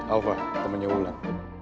alva temennya wulan